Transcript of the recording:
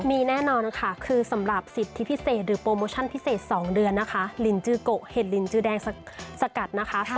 มีแน่นอนนะคะคือสำหรับสิทธิพิเศษหรือโปรโมชั่นพิเศษ๒เดือนนะคะลินจือโกะเห็ดลินจือแดงสกัดนะคะ